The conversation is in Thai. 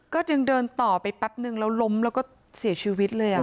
ก็จึงเดินต่อไปแป๊บนึงแล้วล้มแล้วก็เสียชีวิตเลย